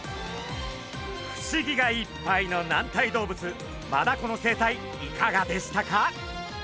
不思議がいっぱいの軟体動物マダコの生態いかがでしたか？